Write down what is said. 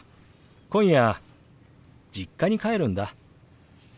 今夜実家に帰るんだ。